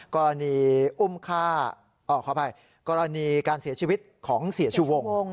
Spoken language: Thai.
กรณีการเสียชีวิตของเสียชุวง